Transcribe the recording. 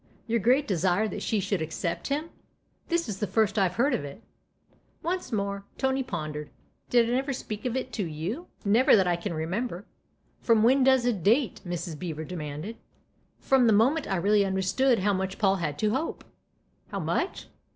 " Your great desire that she should accept him ? This is the first I've heard of it." Once more Tony pondered. " Did I never speak of it to you ?" i86 THE OTHER HOUSE " Never that I can remember. From when does it date ?" Mrs. Beever demanded. " From the moment I really understood how much Paul had to hope." " How f much